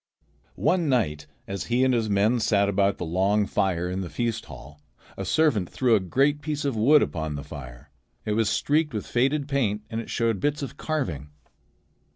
One night as he and his men sat about the long fire in the feast hall, a servant threw a great piece of wood upon the fire. It was streaked with faded paint and it showed bits of carving.